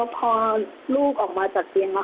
พอลูกออกมาจากเกียงแล้ว